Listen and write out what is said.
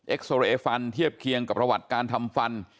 เอ็กซอเรจฟันเทียบเคียงกับภาวัตรการทำฟัน